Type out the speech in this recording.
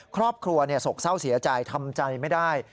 ครอบครัวโศกเศร้าเสียใจทำใจไม่ได้